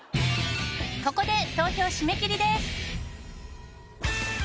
ここで投票締め切りです。